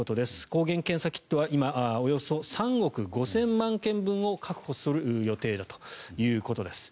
抗原検査キットは今、およそ３億５０００万件分を確保する予定だということです。